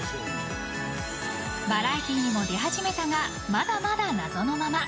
バラエティーにも出始めたがまだまだ謎のまま。